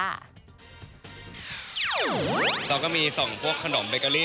เราก็มีส่งพวกขนมเบเกอรี่